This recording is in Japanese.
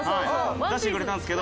出してくれたんすけど。